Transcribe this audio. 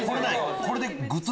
これで。